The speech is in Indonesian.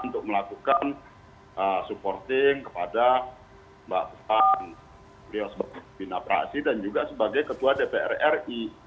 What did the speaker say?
untuk melakukan supporting kepada mbak puan beliau sebagai bina prasi dan juga sebagai ketua dpr ri